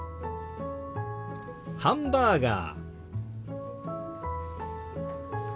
「ハンバーガー」。